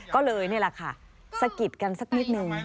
ก็เลยนี่แหละค่ะสะกิดกันสักนิดนึง